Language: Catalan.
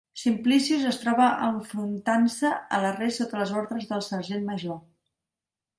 Simplicius es troba enfrontant-se a l'arrest sota les ordres del sergent major.